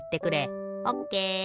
オッケー。